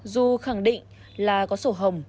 dù khẳng định là có sổ hồng